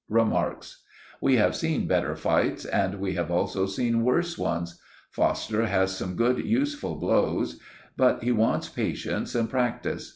"Remarks— "We have seen better fights, and we have also seen worse ones. Foster has some good useful blows, but he wants patience and practice.